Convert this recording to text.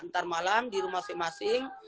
ntar malam dirumah masing masing